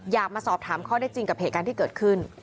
มาสอบถามข้อได้จริงกับเหตุการณ์ที่เกิดขึ้น